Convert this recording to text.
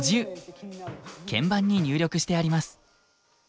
鍵盤に入力してあります。